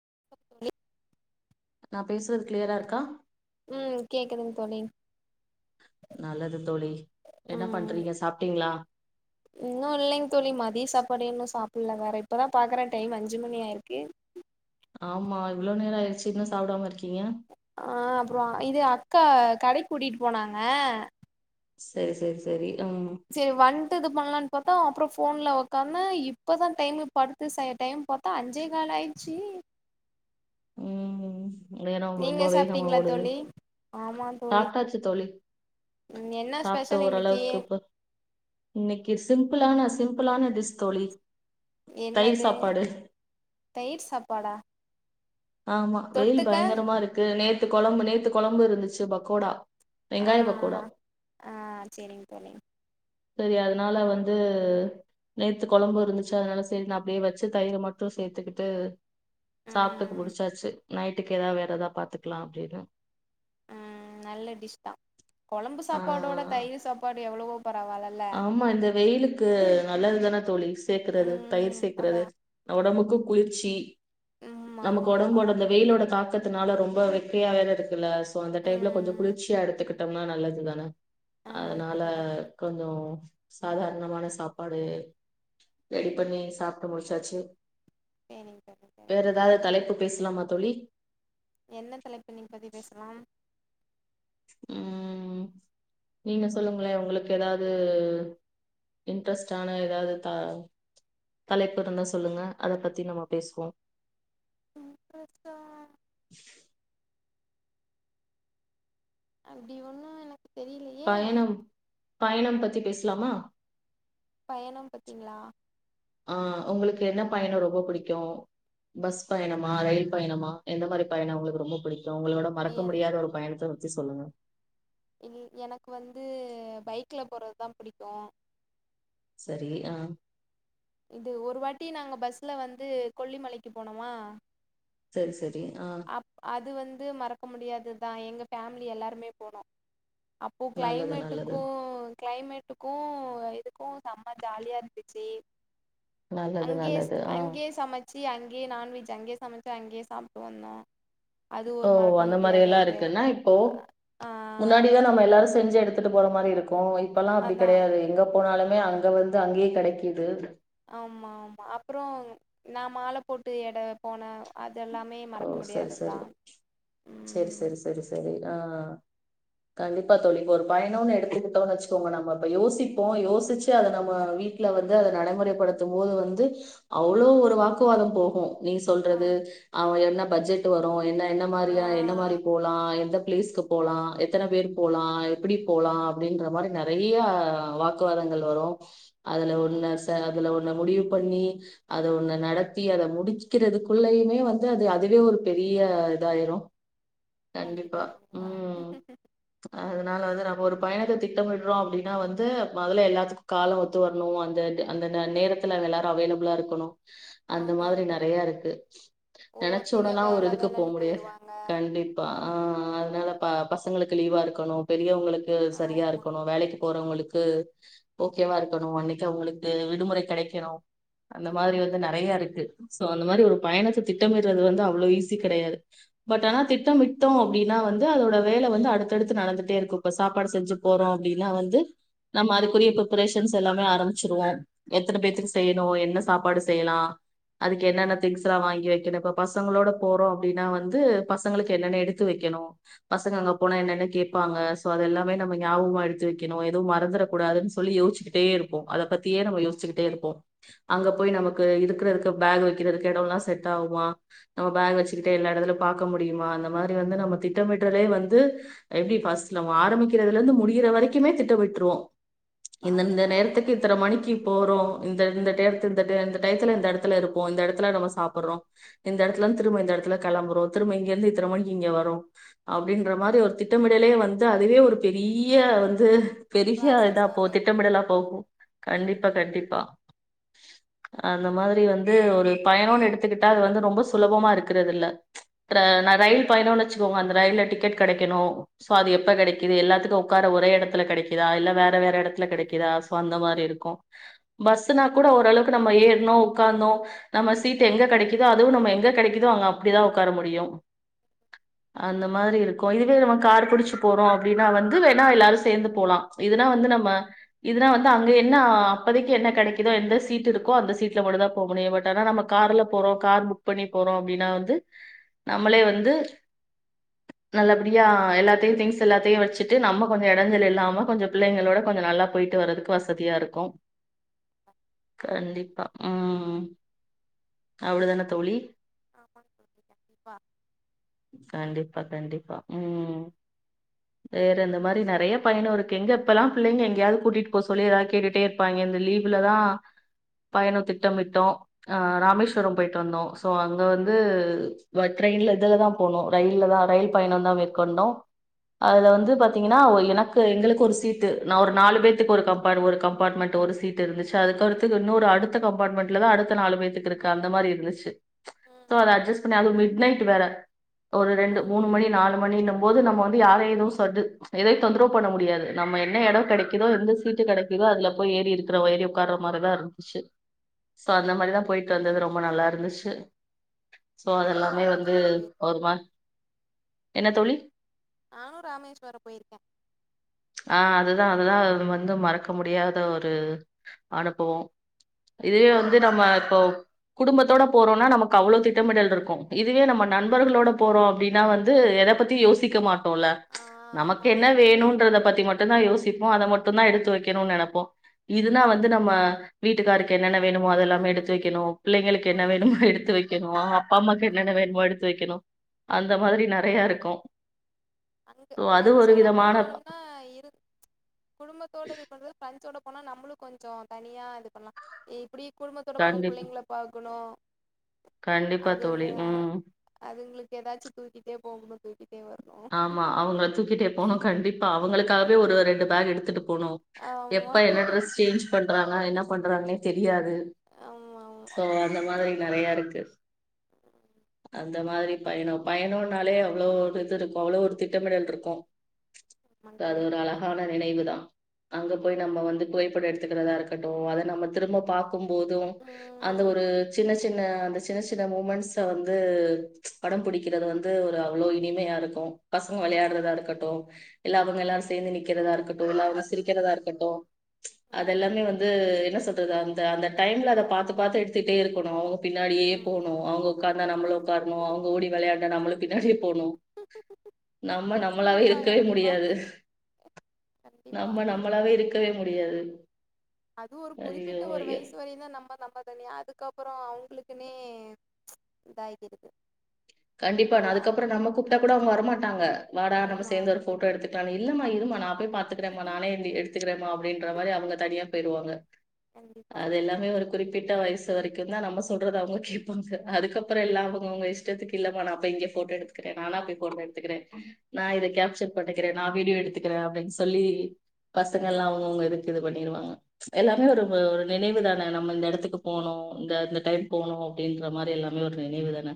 [inaudible] நா பேசுறது க்ளியரா இருக்கா ம் கேக்குதுங் தோழி நல்லது தோழி என்னாப் ம் பண்றீங்க சாப்டீங்ளா இன்னு இல்லிங் தோழி மதியு சாப்பாடே இன்னு சாப்பில்ல வேற இப்பதா பாக்கறே டைம் அஞ்சு மணி ஆயிருக்கு ஆமா இவ்ளோ நேரோ ஆய்ரிச்சு இன்னு சாப்டாம இருக் ஆ அப்றோ ஆ இது க கடைக் கூட்டிட்டு போனாங்க சரி சரி சரி செரி வந்ட்டு இது பண்ணலானு பாத்தா அப்றோ போன்ல உக்காந்தே இப்போதா டைமு படுத்து செ டைம் பாத்தா அஞ்சே கால் ஆயிடுச்சு நேரம் ரொம்ப வேகமா சாப்ட்டீங்ளா ஓடுது தோழி ஆமா தோழி சாப்ட்டாச்சு தோழி ம் என்ன சாப்ட்ட ஸ்பெஷல் இன்னிக்கி ஓரளவுக்கு இப்ப இன்னைக்கு சிம்பிளான சிம்பிளான டிஸ் தோழி தயிர் என்னது சாப்பாடு தயிர் சாப்பாடா ஆமா வெயில் தொட்டுக்க பயங்கரமா இருக்கு நே த்து கொழம்பு நேத்து கொழம்பு இருந்துச்சு பக்கோடா ஆ வெங்காய பக்கோடா ஆ ஆ சேரிங் தோழி சரி அதனால வந்து நேத்து கொழம்பு இருந்துச்சு அதனால சரி நா அப்டியே வச்சு தயிர மட்டு சேத்துக்கிட்டு சாப்ட்டுக்கு ம் முடிச்சாச்சு நைட்டுக்கு ஏதாவது வேற ஏதாவ பாத்துக்கலா அப்டின்னு ம் நல்ல டிஷ் தா கொழம்பு ஆ சாப்பாடோட தயிர் சாப்பாடு எவ்வளவோ பரவால்லல்ல ஆமா இந்த வெயிலுக்கு நல்லதுதானே தோழி சேக்கறது தயிர் ம் அதா சேக்கறது உடம்புக்கு குளிர்ச்சி ம் நமக்கு ஆமா ஆமா ஒடம்போட அந்த வெயிலோட தாக் கத்துனால ரொம்ப வெக்கையா வேற இருக்குல்ல சோ அந்த டைம்ல கொஞ்சோ ம் குளிர்ச்சியா எடுத்துக்கிட்டோம்னா நல்லது தானே ஆமாங் அதனால தோழி கண்டிப்பா. உம் சாதாரணமான சாப்பாடு ரெடி பண்ணி சாப்டு முடிச்சாச்சு சேரிங் தோழி சேரிங் வேற தோழி எதாவது தலைப்பு பேசலாமா தோழி என்ன தலைப்பு நீ பத்தி பேசலாம் உம் நீங்க சொல்லுங்களே உங்களுக்கு ஏதாவது இன்ட்ரெஸ்ட்டான ஏதாவது த தலைப்பு இருந்தா சொல்லுங்க அத பத்தி நம்ம பேசுவோம் இன்ட்ரெஸ்டா அப்டி ஒண்ணும் எனக்கு தெரி பயணம் பயணம் பத்தி பேசலாமா பயணம் பத்தீங்களா ஆஹ் உங்களுக்கு என்ன பயணம் ரொம்ப பிடிக்கும் பஸ் பயணமா ரயில் பயணமா எந்த மாதிரி பயணம் உங்களுக்கு ரொம்ப பிடிக்கும் உங்களோட மறக்க என் முடியாத ஒரு பயணத்த சொல்லுங்க இ எனக்கு வந்து பைக்ல போறதுதா பிடிக்கும் சரி அஹ் இது ஒரு வாட்டி நாங்க பஸ்ல வந்து கொல்லிமலைக்கு போனோமா சரி சரி ஆஹ் அப் அது வந்து இது மறக்க முடியாதுதா எங்க ஃபேம்லி எல்லாருமே போனோம் அப்போ நல்லது நல்லது கிளைமேட்டுக்கும் கிளைமேட்டுக்கு இதுக்கு செம்ம ஜாலியா இருந்துச்சு நல்லது நல்லது ஆஹ் சி அங்கே நான்வெஜ் அங்கே சமைச்சா அங்கே சாப் பொண்ணோ ஓ அந்த மாரிலா இருக்குனா இப்போ ஆ முன்னாடிதா நம்ம எல்லாரு செஞ்சி எடுத்துட்டு போற மாரி இருக்கு இப்பல்லா அப்டி அதா கிடையது எங்க போனாலு மே அங்க வந்து அங்கேயே கிடைக்குது ஆமா ஆமா அப்புரொ நா மால போட்டு எட போன எல்லாமே ஓ மறக்க சரி முடியாததுதா சரி செரி ம் சரி சரி சரி ஆஹ் கண்டிப்பா தோழி இப்போ ஒரு பயணம்னு எடுத்துக்கிட்டோம்ன்னு வச்சுக்கோங்க நம்ம இப்ப யோசிப்போ யோசிச்சு அத நம்ம வீட்டுல வந்து அத நடைமுறைப்படுத்து போது வந்து அவ்வளோ ஒரு வாக்குவாதம் போகு நீ ஆ சொல்றது என்ன பட்ஜெட் வரு என்ன என்ன ஆ மாதிரியா என்ன மாதிரி போலா எந்த பிளீஸ்கு போகலா எத்தன பேர் போலா எப்படி போலா அப்படின்ற மாரி நிறைய வாக்குவாதங்கள் வரு அதுல ஒரு ஆமாங்க ந அதுல ஒரு ன்ன முடிவு பண்ணி அத ஒன்ன நடத்தி அத முடிக்கிறதுக்குள்ளயுமே வந்து அ அது அதுவே ஒரு பெரிய இதாயிரும் கண்டிப்பா உஹம் அதனால வந்து நம்ம ஒரு பயணத்த திட்டமிடுறோ அப்படின்னா வந்து மதல எல்லாத்துக்கு காலோ ஒத்து வரணும் அந்த அந்த நேரத்துல எல்லாாரு அவைலபிளா இருக்கணு அந்த ஆமாங்க மாதிரி தோழி நறைய இருக்கு நினைச்ச ஒவ்வொருத்திங்க உடல்லா ஒரு வேல இதுக்கு போக வேலன்னு முடியாது போயிருவாங்க கண்டிப்பா ஆஹ் அதனால ப பச உங்களுக்கு லீவா இருக்கணு பெரியவங்களுக்கு டு சரியா ஆமா இருக்கணு வேலைக்கு போறவங்களுக்கு கு ஓகேவா இருக்கணு அன்னைக்கு அவங்களுக்கு விடுமுறை கிடைக்கணு அந்த மாதிரி ஆமாங்க வந்து நறைய இருக்கு சோ அந்த மாதிரி ஒரு பயனது திட்டமிடுறது வந்து அவ்வளவு ஈஸி கிடையாது பட் ஆனா திட்டமிட்டோ அப்படின்னா வந்து அதோட வேலை வந்து அடுத்தடுத்து நடந்துட்டே இருக்கும் இப்ப சாப்பாடு செஞ்சு போறோம் அப்படின்னா வந்து நம்ம அதுக்குரிய பப்பரேஷன்ஸ் எல்லாம ஆரம்பிச்சிருவோ எத்தனை பேத்துக்கு செய்யணு என்ன சாப்பாடு செய்யலா அதுக்கு என்னென்ன திங்ஸ் எல்லா வாங்கி வ ஏன்ன இப்ப பசங்களோட போறோ அப்படின்னா வந்து பசங்களுக்கு என்னென்ன எடுத்து வைக்கணு பசங்க அங்க போனா என்னென்ன கேட்பாங்க சோ அது எல்லாமே நம்ம ஞாபகமா எடுத்து வைக்கணு எதுவு மறந்துடகூடாதுன்னு சொல்லி யோிச்சுக்கிட்டே இருப்போ அத பத்தியே நம்ம யோசச்சுிக்கிட்டே இருப்போ அங்க போய் நமக்கு இருக்கிறதுக்கு பேக் வைக்கிறதுக்கு இடம்ல்லா செட ஆமா நம்ம பேக் வச்சுக்கிட்டே எல்லா இடத்துல பாார்க்க முடியுமா அந்த மாதிரி வந்து நம்ம திட்டமிட்டுதே வந்து எப்படில ஆரம்பிக்கிறதுதுல இருந்து முடியிற வரைக்குமே திட்டமிட்டுருவோ அதே இந்தத நேரத்துக்கு கூட இத்தன மணிக்கு போறோ இந்தத இடுத்து டத்துல இந்த இடத்துல இருக்கும் இந்த இடத்துல நம்ம சாப் அப்புறோ இந்த இடத்துல திரும்ப இந்த இடல கிளம்பறோ ஒருத்த ம இங்க இருந்து இத்தனை மணிக்கு இங்க வரு அப்படின்ற மாதிரி ஒரு திட்டமிடலயே வந்து அதுவே ஒரு பெரிய வந்து பெரியா இதா ப்ராசஸா போ இருக்கு திட்டமிடலாம் போகும் கண்டிப்பா கண்டிப்பா அந்த மாதிரி வந்து ஒரு பயணம்னு எடுத் எடுத்துகிட்ட ரொம்ப சுலபமா இருக்கிறதுயில்ல ரயில் பயணுச்சுங்க அந்த ரயில்ல டிக்கெட் கெடைக்கணு சோ அது எப்ப கெடைக்குது எல்லாத்துக்கும் உக்கர ஒரே இடத்துல கெடைக்குதா இல்ல வேற வேற வேற இடத்துல கெடைக்குதா சோ அந்த மாரி இருக்கூ பஸ்னா கூட ஓரளவுக்கு நம்ம ஏற்னோ உட்காந்தோ நம்ம சீட் எங்க கெடைக்குதோ அதுவும் நம்ம எங்க கெடைக்குதோ அப்டிதான் உட்கார முடியு அந்த மாரி இருக்கூ இதுவே கார் புடிச்சு போறோ அப்டின எல்லாரும் சேர்ந்து போலா இதுன வந்து நம்ம இதுன வந்து அங்க என்ன அப்பதைக்கு கிடைதோ எந்த சீட் இருக்கோ அந்த சீட்டுல மட்டும்தா போக முடியு பட் ஆன நம்ம கார்ல போறோ கார் புக் பண்ணி போறோ அப்டின்னா வந்து நம்மளே வந்து நல்லபடியா எல்லாத்தையு திங்ஸ் எல்லாத்தையு வச்சுட்டு நம்ம கொஞ்சோ இடஞ்சல் இல்லாம கொஞ்சோ பிள்ளைங்களோட கொஞ்சோ நல்லா போயிட்டு வரதுக்கு வசதியா இருக்கூ கண்டிப்பா ம் அவளுதான தோழி ஆமாங் தோழி கண்டிப்பா கண்டிப்பா கண்டிப் மா உம் வேற இந்த மாரி நெறைய பயணு இருக்கு எங்க எப்பல்லாம் பிள்ளைங்க எங்கேயாவது கூட்டிட்டு போவ சொல்லி ஏதாவது கேட்டுட்டே இருப்பாங்க இந்த லீவுலதான் பயணு திட்டமிட்டோ ஆஹ் ராமேஸ்வரோ போயிட்டு வந்தோ சோ அங்க வந்து வ ட்ரெயின்ல இதுல தான் போனோம் ரயில் தான் ரயில் பயணம் தான் மேற்கொண்டோம் அதுல வந்து பார்த்தீங்கன்னா வ எனக்கு எங்களுக்கு ஒரு சீட்டு நா ஒரு நாலு பேத்தக்கு ஒரு கம்பார்ட் ஒரு கம்பார்ட்மெண்ட் ஒரு சீட்டு இருந்துச்சு அதுக்கடுத்துக்கு இன்னொரு அடுத்த கம்பார்ட்மெண்ட்ல தான் அடுத் தா நாலு பேத்துக்கு இருக்கு அந்த மாரி இருந்துச்சு ம் சோ அத அட்ஜஸ்ட் பண்ணி அதுவு மிட் நைட் ட்டு வேற ஒரு ஆ ரெண்டு மூணு மணி நாலு மணினு போது நம்ம வந்து யாரையு எதுவும் சொட்டு எதையும் தொந்தரவு பண்ண முடியாது நம்ம என்ன இடம் கெடைக்குதோ எந்த சீட்டு கெடைக்குதோ அதுல போய் ஏறி இருக்கிற வயரி உட்கார மாரிதான் இருந்துச்சு சோ அந்த மாரிதான் போயிட்டு வந்தது ரொம்ப நல்லா இருந்துச்சு சோ நானு அதெல்லாமே வந்து ராமேஸ்வரம் போயிருக்கே ஒருமா என்ன தோழி நானு ராமேஸ்வரம் போயிருக்கே ஆஹ் அதுதான் அதுதான் வந்து மறக்க முடியாத ஒரு அனுபவோ இதுவே வந் து நம்ம இப்போ குடும்பத்தோட போறோன்னா நமக்கு அவ்ளவு திட்டமிடல் இருக்கும் இதுவே நம்ம நண்பர்களோட போறோ அப்டின்னா வந்து எத பத்தியு யோசிக்க மாட் டோல ஆ ஆமா நமக்கு என்ன ஆமா வேணும்ன்றத பத்தி ம மட்டுதா யோசிப்போ அத மட்டும் தான் எடுத்து வைக்கணும்னு நெனப்போ இதுனான் வந்து நம்ம வீட்டுக்காருக்கு என்னென்ன வேணு னு அதெல்லாமே எடுத்து வைக்கணும் பிள்ளைளுக்கு என்ன வேணமோ குழந்தைகிட்ட எடுத்து வைக்கணும் அப்பா அம்மாக்கு என்னன வேணமோ எடுத் வைக்கணு அந்த மாதிரி நெறைய இருக்கூ அதுக்கு ஃபிரெச்சோட போனாலும்னா இரு குடும்பத்தோட இது பண்றது ஃபிரெச்சோட போனா நம்பளும் கொஞ்சோ தனியா இது பண்ணலா எ அப்டி குடும்பத்தோட போன கண்டிப் புள்ளைங்கள பார்க்கணு கண்டிப்பா அதுங்க தோழி ம் அதுங்களுக்கு ஏதாச்சு தூக்கிட்டே போம் போது துக்கிடே வரணு ஆமா அவங்கள தூக்கிட்டே போனோ கண்டிப்பா அவங்களுக்காவவே ஒரு ரெண்டு பேக் எடுத் போனு எப்ப ஆமா என்ன டிரெஸ் சேஞ்ச் பண்றாங்க என்ன பண்றாங்கனே தெரியா து ஆமா சோ அந்த ஆமா மாதிரி நறைய இருக்கு அந்த மாதிரி பயணம் பயணம்னாலே அவ்ளோ ஒரு இது இருக்கு அவ்ளோ ஒரு திட்டமிடல் இருக்கு ஆமாங்க அது தோழி ஒரு கண்டிப்பா அழகான நினைவு தா அங்க போய் நம்ம வந்து புகைப்பட எடுத்துக்கிறதா இருக்கட்டு அத நம்ம திரும்ப பாக் க்கும் போது அந்த ம் ஒரு சின்ன சின்ன அந்த சின்ன சின்ன மூமெண்ட்ஸ் ஸ வந்து படம் புடிக்கிறது வந்து ஒரு அவ்ளோ இனிமையா இருக்கு பசங்க ஆமா விளையாட்றதா இருக்கட்டு எல்லா அவங்க எல்லாரு சேந்து நிக்கிறதா இருக்கட்டு எல்லா அவங்க சிரிக்கிறதா இருக்கட்டு ம் அதெல்லாமே வந்து என்ன சொல் றது அந்த அந்த டைம்ல அத பாத்து பாத்து எடுத்துகிட்டே இருக்குணு பின்னாடியே ம் போனு அவுங்கோ காந்தா நம்மளு உக்கார்ணு அவுங்க ஓடிவ விளையான்டா நம்மளு பின்னாடியே போணு நம்ம நம்மளாவே கண்டிப்பா இருக்கவே கண்டிப்பா முடியாது கண்டிப்பா நம்ம நம்மளாவே இருக்கவே முடியாது அது ஒரு ஐயோ குறிப்பிட்ட ஒரு ஐயோ வய்சு வரை தா நம்ப நம்ப தனி அதுக்கப்புறொ அவுங்ளுக்குனே இதாகிடுது கண்டிப்பான இல்ல அதுக்கப்புற நம்ம கூப்ட்டா கூட அவுங்க வரமாட்டாங்க வாடா நம்ம ஆமா சேந்து ஒரு போட்டோ எடுத்துக் நானு இல்லமா இருமா நா பேய் பாத்துக்கிறேம்மா நானே எந்தி எடுத்துக்கிறேம்மா அப்புடின்ற மாரி அவுங்க தனியா பேய்ருவாங்க கண்டிப்பா அது எல்லாமே ஒரு குறிப் பிட்ட வய்சு வரக்குந்தா நம்ம சொல்றது அவுங்க கேப்பாங்க அதுக்கப்புற எல்லா அவுங்க அவுங்க இஷ்ட்டத்துக்கு இல்லம்மா நா பே இங்கெ போட்டோ எடுத்துக்கிறே நானா போய் போட்டோ எடுத்துக்கிறே நா இத கேப்சர் பட்டுக்கிறே நா வீடியோ எடுத்துகிறே அப்டின் சொல்லி பசுங்கெல்லா ம் அவுங்கவுங்க இதுக்கு இது பணி இருவாங்க எல்லாமே ஒருவு ஒரு நினைவு தானே நம்ம இந்த எடத் துக்கு போனோ கண் இந்த அந்த டைம் போனோ அப்டின்ற மாரி எல்லாமே ஒரு நினைவு தான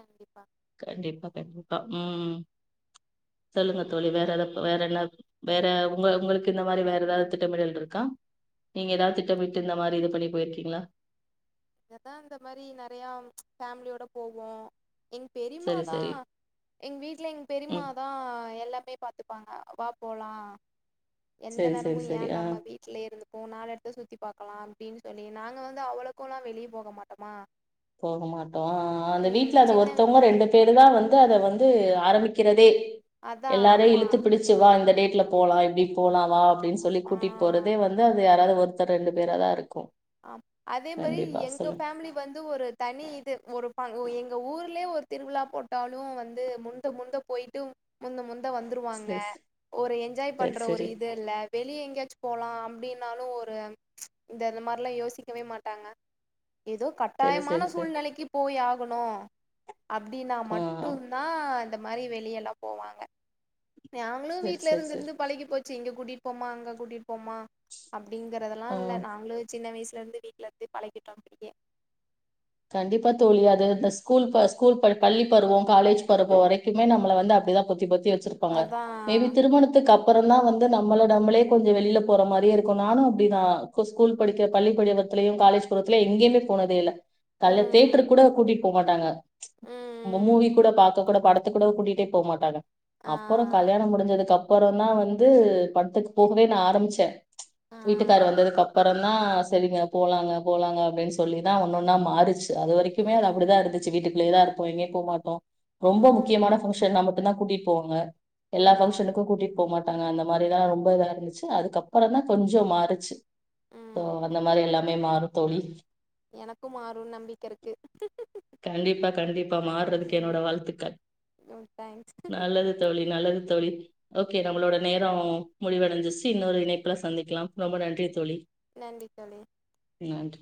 கண்டிப்பா கண்டிப்பா கண்டிப்பா ம் சொல்லுங்க தோழி வேற ஏதா வேற என்ன வேற உங்க உங்களுக்கு இந்த மாரி வேற ஏதாது திட்டமிடல்ருக்கா நீங்க ஏதாவுது திட்டமிட்டு இந்த மாரி இது பண்ணி போயிருக்கிங்ளா இததா இந்த மாரி நெறையா ஃபேமிலியோட போவோ எங் சரி பெரிம்மாதா சரி எங் வீட்ல எங் ம் பெரிம்மாதா எல்லாமே பாத்துப்பாங்க வா போலா எந்த சரி நேரமு சரி ஏ சரி ஆ நம்ம வீட்லயே இருந்துக்கு நாலு எடத்த சுத்தி பாக்கலா அப்படின்னு சொல்லி நாங்க வந்து அவ்வளவு போலா வெளிய போக மாட்டமா போக மாட்டோ அந்த வீட்ல அது சின்ன ஒருத்தவங்க ரெண்டு பேரு தா வந்து அத வந்து ஆரம்பிக்கிறதே அதா எல்லாரையு ஆமா இழுத்து பிடிச்சு வா இந்த டேட் ட்ல போலா எப்டி போலா வா அப்படின்னு சொல்லி ஆ கூட்டிட்டு போறதே வந்து அது யாராவது ஒருத்தர் ரெண்டு பேரா தா இருக்கு ஆ அதே மாரி கண்டிப்பா எங்க சொல்லுங்க ஃபேமிலி வந் து ஒரு தனி இது ஒரு ப எங்க ஊர்லயே ஒரு திருவிழா போட்டாலு வந்து முந்த முந்த போயிட்டு முந்த முந் த வந்துருவாங்க செரி ஒரு என்ஜாய் செரி பண்ற ஒரு செரி இது இல்ல வெளிய எங்கேயாச்சும் போலா அப்படின் னாலு ஒரு இந்த அந்த மாரிலா யோசிக்கவே மாட்டாங்க ஏதோ செரி செரி கட்டாயமான செரி செரி சூழ்நிலைக்கு போய் ஆ கணு அப்டின்னா ஆ மட்டுந்தா இந்த மாரி வெளிய எல்லா போவாங்க நாங்களு செரி வீட்ல செரி இருந்து செரி இருந்து பழகி போச் சு இங்க கூட்டிட்டு போமா அங்க கூட்டிட்டு போமா அ ப்படிங்கிறதுல்லா ஆ இல்ல நாங்களு சின்ன வயசுல இருந்து வீட்டல இருந்து பழகிட்டோ அப்டியே கண்டிப்பா தோழி அது இந்த ஸ்கூல் ப ஸ்கூல் ப பள்ளி பருவம் காலேஜ் பருவம் வரைக்குமே நம்மள வந்து அப்படிதா பொத்தி பொத் தி வச்சிருப்பாங்க அதா மேபி திருமணத்துக்கு அப் அப்புறோ தா வந்து நம்மள நம்மளே கொஞ்சோ வெளியில போற மாரியே இருக்கு நானு அப்படிதா ஸ்கூல் படிக்கிற பள்ளி படிவத்தலயு காலேஜ் பருவத்திலயு எங்கேயுமே போனதே இல்ல கால்ல ம் தேட்ருக் கூட கூட்டிட்டு போ மாட்டாங்க ம் மூவி கூட பாக் இப்ப கூட படத்துக் கூட கூட்டிட்டே போ மாட்டாங்க ஆ அப்புறம் கல்யாணம் முடிஞ்சதுக்கு அப் பறோந்தா வந்து படத்துக்கு போகவே நா ஆரம்பிச்சே ஆ வீட்டுக்கார் வந்ததுக்கு அப்புறம் ன்னா சரிங்க போலாங்க போலாங்க அப்படின்னு சொல்லிதா ஒன்னொன்னா மாறு ச்சு அது வரைக்குமே அது அப்டிதா ம் இருந்துச்சு வீட்டுக்குள்ளேதா இருக் போ எங்கயு போ மாட்டோ ரொம்ப முக்கியமான ம் பங்க்ஷன் நம அப்பதா கூட்டிட் போவாங்க எல்லா ம் பங்க்ஷனுக்கு கூட்டிட் போ மாட் டாங்க அந்த மாரிலா ரொம்ப இதா இருந்துச்சு அதுக்கப்பறந்தா கொஞ்சம் மாறுச்சு ம் அந்த மாரி எல்லாமே மாறு தோழி எனக்கு மாறுன்னு நம்பிக்க இருக்கு கண்டிப்பா கண்டிப்பா மாறறதுக்கு என்னோட வாழ்த்துக்கள் ம் தேங்க்ஸ் நல்லது தோழி நல்லது தோழி ஓகே நம்மளோட நேர முடிவடைஞ்சச்சு இன்னொரு இணைப்புல சந்திக்கலாம் ரொம்ப நன்றி தோழி நன்றி தோழி நன்றி